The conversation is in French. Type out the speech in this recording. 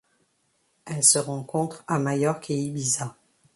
Elle se rencontre à Majorque et Ibiza.